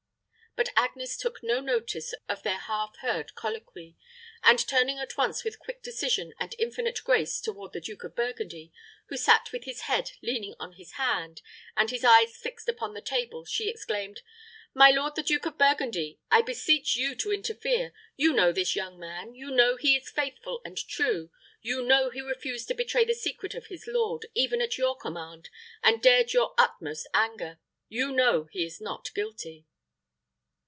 But Agnes took no notice of their half heard colloquy, and, turning at once with quick decision and infinite grace toward the Duke of Burgundy, who sat with his head leaning on his hand, and his eyes fixed upon the table, she exclaimed, "My lord the Duke of Burgundy, I beseech you to interfere. You know this young man you know he is faithful and true you know he refused to betray the secret of his lord, even at your command, and dared your utmost anger. You know he is not guilty."